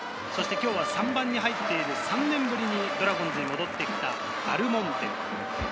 今日は３番に入っている３年ぶりにドラゴンズに戻ってきたアルモンテ。